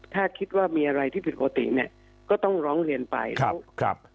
ถ้าคิดว่ามีอะไรที่ผิดปกติเนี่ยก็ต้องร้องเรียนไปแล้วครับ